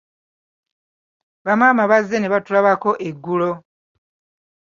Bamaama bazze nebatulabako eggulo.